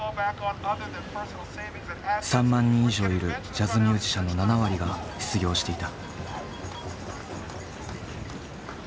３万人以上いるジャズミュージシャンの７割が失業していた。